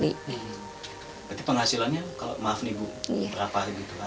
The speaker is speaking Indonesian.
jadi penghasilannya kalau maaf nih ibu berapa gitu